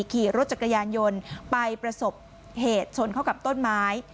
ขี่รถจักรยานยนต์ไปประสบเหตุชนเข้ากับต้นไม้